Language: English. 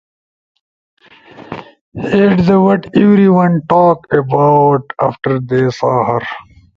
It's what everyone talked about after they saw her.